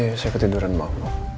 iya saya ketiduran maaf